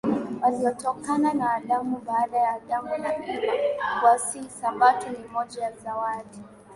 waliotokana na Adam Baada ya Adam na Eva kuasi Sabato ni moja ya Zawadi